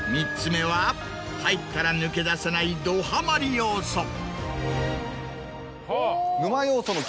３つ目は入ったら抜け出せないどハマり要素。